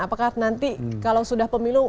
apakah nanti kalau sudah pemilu